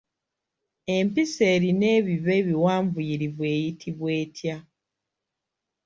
Empisi erina ebiba ebiwanvuyirivu eyitibwa etya?